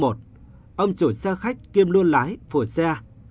ông chủ xe khách kiêm luôn lái phổ xe